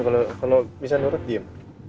kalau bisa nurut diem